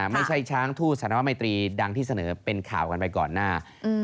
ไม่ใช่ช้างทูตสารมัยตรีดังที่เสนอเป็นข่าวกันไปก่อนหน้า